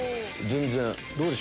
全然。